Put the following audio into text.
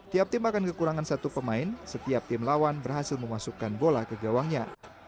tiap tim akan kekurangan satu pemain setiap tim lawan berhasil memasukkan bola ke gawangnya